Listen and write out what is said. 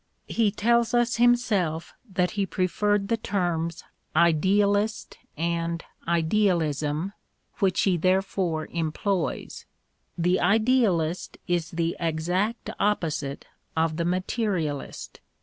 He tells us himself that he preferred the terms "idealist" and "idealism," which he therefore employs. The idealist is the exact opposite of the materialist.